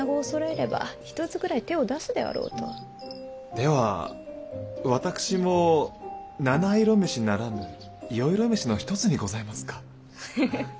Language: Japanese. では私も七色飯ならぬ四色飯の一つにございますか。